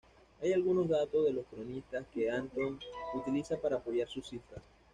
Hay algunos datos de los cronistas que Antón utiliza para apoyar sus cifras.